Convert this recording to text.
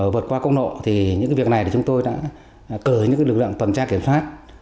vượt qua công nộ thì những việc này chúng tôi đã cởi những lực lượng toàn tra kiểm phát